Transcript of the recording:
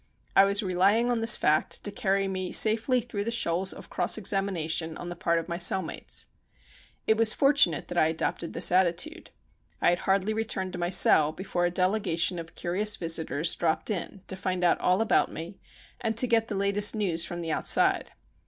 I was relying on this fact to carry me sarely through the shoals of cross examination on the part of my cell mates. It was fortunate that I adopted this attitude. I had hardly returned to my cell before a delegation of curious visitors dropped in to find out all about me and to get the latest news from the out side.